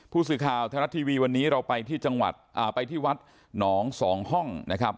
ผู้สื่อข่าวไทยรัฐทีวีวันนี้เราไปที่จังหวัดอ่าไปที่วัดหนองสองห้องนะครับ